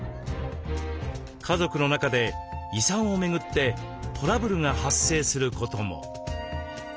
家族の中で遺産を巡ってトラブルが発生することも。